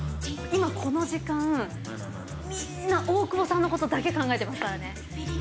今この時間みーんな大久保さんのことだけ考えてますからね。